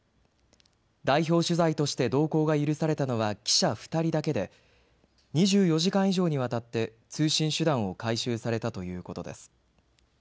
代表取材として同行が許されたのは記者２人だけで２４時間以上にわたって通信手段を回収されたということです。